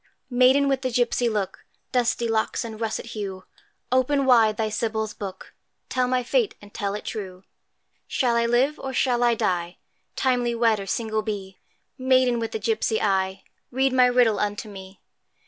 Maiden with the gipsy look, Dusky locks and russet hue, Open wide thy Sybil's book, Tell my fate and tell it true; Shall I live? or shall I die? Timely wed, or single be? Maiden with the gipsy eye, Read my riddle unto me!